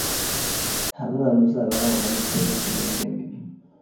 nta mwana uzaba arangwa n’ikibazo cy’imirire mibi